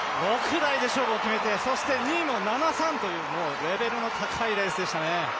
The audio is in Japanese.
６台で勝負を決めて、２位も７３というレベルの高いレースでしたね。